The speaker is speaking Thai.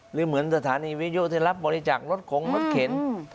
หรือเหมือนสถานีวิดีโอถ้ารับบริจาครถคงรถเข็น